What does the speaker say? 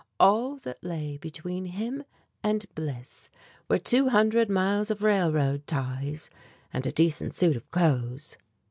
All that lay between him and bliss were two hundred miles of railroad ties and a decent suit of clothes!